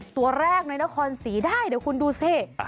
ตัวแรกในละครสีได้เดี๋ยวคุณดูเส้น